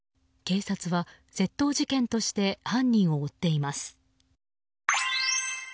警察は窃盗事件として犯人を追っています。